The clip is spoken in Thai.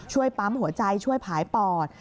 ปั๊มหัวใจช่วยผายปอด